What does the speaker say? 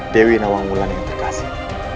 dewi nawangulan yang terkasih